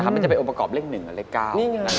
มันจะออกประกอบเลขอย่าง๑กับเลข๙